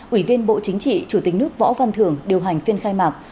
ủy viên bộ chính trị chủ tịch nước võ văn thường điều hành phiên khai mạc